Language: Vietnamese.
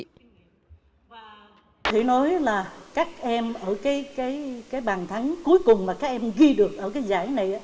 thì nói là các em ở cái bàn thắng cuối cùng mà các em ghi được ở cái giải này